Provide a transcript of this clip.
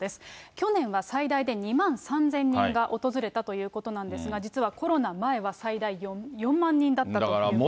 去年は最大で２万３０００人が訪れたということなんですが、実はコロナ前は、最大４万人だったということなんですね。